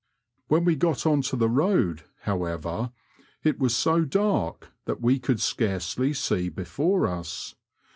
When we got on to the road, however, it was so dark that we could scarcely see before us.